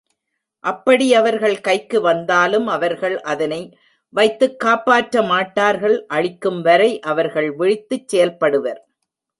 அப்படி அவர்கள் கைக்கு வந்தாலும் அவர்கள் அதனை வைத்துக் காப்பாற்ற மாட்டார்கள் அழிக்கும்வரை அவர்கள் விழித்துச் செயல்படுவர்.